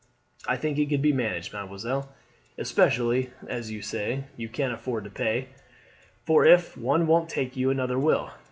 I think it can be managed, mademoiselle, especially, as you say, you can afford to pay, for if one won't take you, another will.